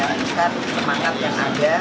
tadi kan kayaknya pak ade